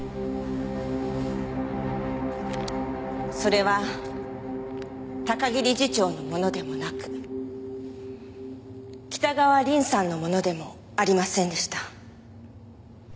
それは高木理事長のものでもなく北川凛さんのものでもありませんでした。